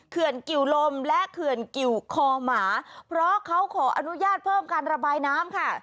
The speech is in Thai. กิวลมและเขื่อนกิวคอหมาเพราะเขาขออนุญาตเพิ่มการระบายน้ำค่ะ